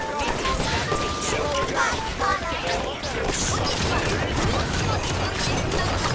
こんにちはニュースのじかんですなのだ。